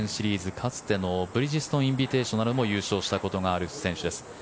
かつてのブリヂストンインビテーショナルを優勝したことがある選手です。